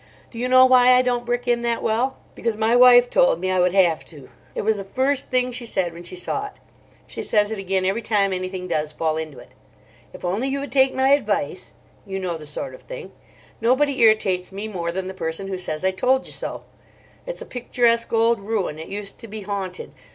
Do you know why I don't brick in that well? Because my wife told me I would have to. It was the first thing she said when she saw it. She says it again every time anything does fall into it. 'If only you would take my advice'—you know the sort of thing. Nobody irritates me more than the person who says, 'I told you so.' It's a picturesque old ruin: it used to be haunted.